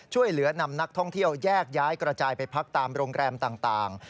ช่วยเหลือนำนักท่องเที่ยวแยกย้ายกระจายไปพักตามโรงแรมต่าง